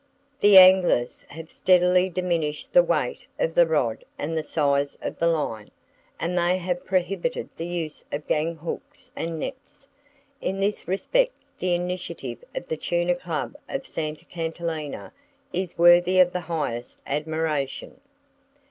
The anglers have steadily diminished the weight of the rod and the size of the line; and they have prohibited the use of gang hooks and nets. In this respect the initiative of the Tuna Club of Santa Catalina is worthy of the highest admiration.